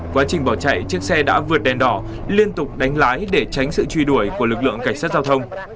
quá trình bỏ chạy chiếc xe đã vượt đèn đỏ liên tục đánh lái để tránh sự truy đuổi của lực lượng cảnh sát giao thông